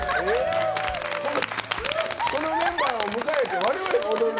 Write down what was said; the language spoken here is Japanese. このメンバーを迎えて我々が踊るの？